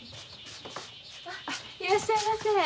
いらっしゃいませ。